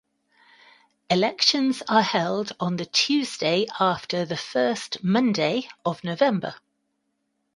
Elections are held on the Tuesday after the first Monday of November.